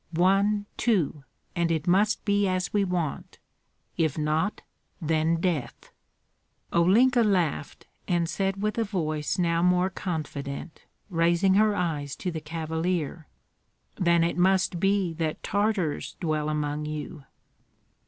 One, two! and it must be as we want; if not, then death." Olenka laughed, and said with a voice now more confident, raising her eyes to the cavalier, "Then it must be that Tartars dwell among you?"